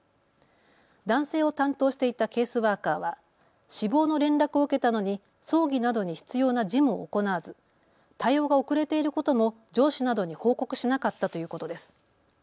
男性を担当していたケースワーカーは死亡の連絡を受けたのに葬儀などに必要な事務を行わず対応が遅れていることも上司などに報告しなかったということです。